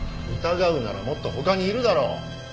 疑うならもっと他にいるだろう。